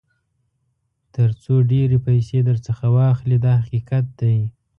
تر څو ډېرې پیسې درڅخه واخلي دا حقیقت دی.